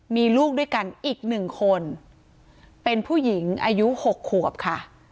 มีลูกด้วยกันอีกหนึ่งคนเป็นผู้หญิงอายุ๖ขวบค่ะ